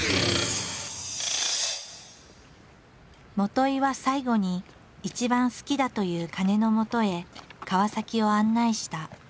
元井は最後に一番好きだという鐘のもとへ川を案内した。